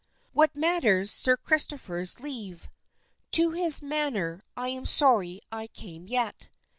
What matters Sir Christopher's leave; To his manor I'm sorry I came yet!